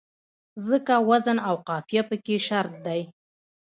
ځکه وزن او قافیه پکې شرط دی.